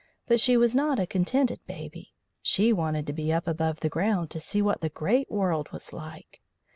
But she was not a contented Baby; she wanted to be up above the ground to see what the great world was like.